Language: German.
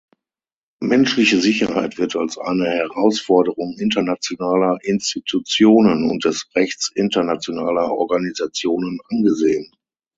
Menschliche Sicherheit wird als eine Herausforderung internationaler Institutionen und des Rechts internationaler Organisationen angesehen.